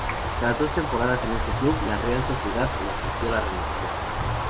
Tras dos temporadas en este club, la Real Sociedad le ofreció la renovación.